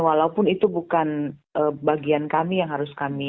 walaupun itu bukan bagian kami yang harus kami